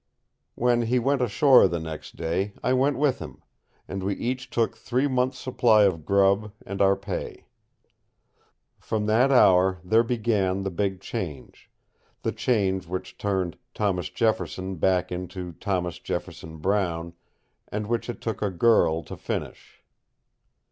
When he went ashore, the next day, I went with him, and we each took three months' supply of grub and our pay. From that hour there began the big change the change which turned Thomas Jefferson back into Thomas Jefferson Brown, and which it took a girl to finish.